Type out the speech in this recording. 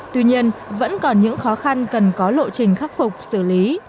tuy nhiên vẫn còn những khó khăn cần có lộ trình khắc phục xử lý